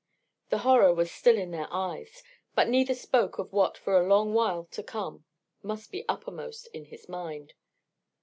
The horror was still in their eyes, but neither spoke of what for a long while to come must be uppermost in his mind.